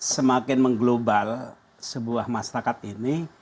semakin mengglobal sebuah masyarakat ini